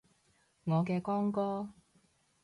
我嘅光哥